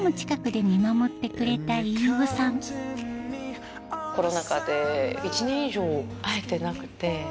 近くで見守ってくれた飯尾さんコロナ禍で１年以上会えてなくて。